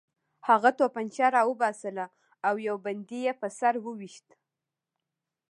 هغه توپانچه راوباسله او یو بندي یې په سر وویشت